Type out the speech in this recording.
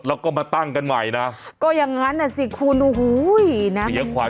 แล้วก็มาตั้งกันใหม่นะก็อย่างนั้นน่ะสิคูณโอ้หูยนะ